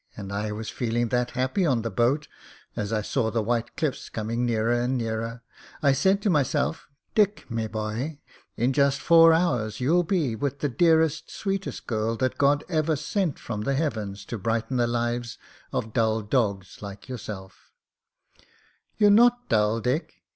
And I was feeling that happy on the boat; as I saw the white cliffs coming nearer and nearer, I said to meself, 'Dick, me boy, in just four hours you'll be 26 MEN, WOMEN AND GUNS with the dearest, sweetest girl that God ever sent f r^ the heavens to brighten the lives of dull dogs like yourself/ " "YouVe not dull, Dick.